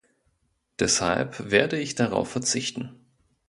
Deshalb werde ich darauf verzichten.